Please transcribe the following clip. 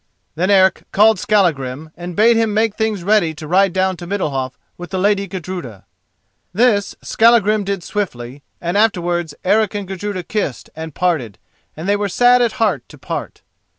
Then Eric called Skallagrim and bade him make things ready to ride down to Middalhof with the Lady Gudruda. This Skallagrim did swiftly, and afterwards Eric and Gudruda kissed and parted, and they were sad at heart to part.